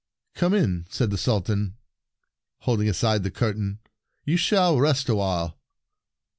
" Come in," said the Sultan, holding aside the curtain. "You shall rest awhile."